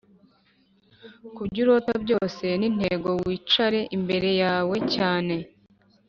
kubyo urota byose nintego wicare imbere yawe cyane.